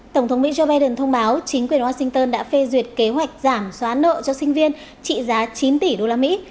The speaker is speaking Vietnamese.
tổng thống mỹ joe biden thông báo chính quyền washington đã phê duyệt kế hoạch giảm xóa nợ cho sinh viên trị giá chín tỷ đô la mỹ